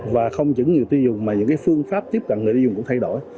và không những người tiêu dùng mà những phương pháp tiếp cận người tiêu dùng cũng thay đổi